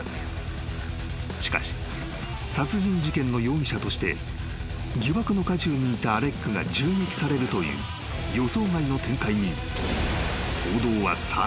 ［しかし殺人事件の容疑者として疑惑の渦中にいたアレックが銃撃されるという予想外の展開にさらに］